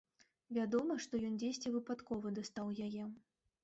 Вядома, што ён дзесьці выпадкова дастаў яе.